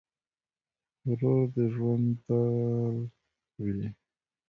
ورور د ژوند ډال وي.